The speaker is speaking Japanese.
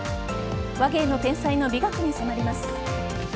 話芸の天才の美学に迫ります。